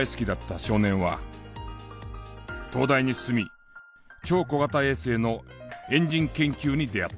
東大に進み超小型衛星のエンジン研究に出会った。